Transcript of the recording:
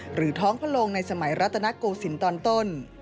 หรือท้องพระลงในสมัยรัตนโกศิลป์ตอนต้น